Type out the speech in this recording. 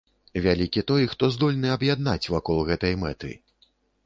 Вялікі той, хто здольны аб'яднаць вакол гэтай мэты.